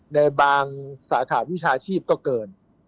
ในบางสาขาวิชาชีพก็เกิน